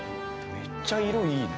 めっちゃ色いいね。